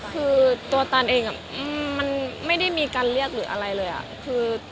คือตัวตานเองมันไม่ได้มีการเรียก